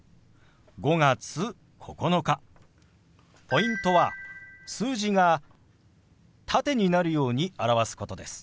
ポイントは数字が縦になるように表すことです。